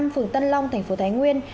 phường tân long tp thái nguyên